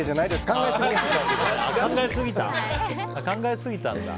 考えすぎたんだ。